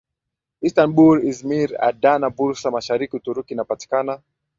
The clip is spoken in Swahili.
Istanbul Izmir Adana Bursa Mashariki Uturuki inapakana